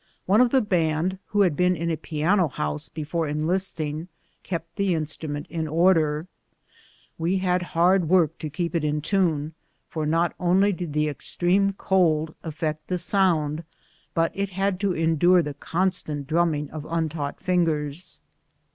One of the band, who had been in a piano house before enlisting, kept the in strument in order. We had hard work to keep it in tune, for not only did the extreme cold affect the sound, but it had to endure the constant drumming of untaught fingers.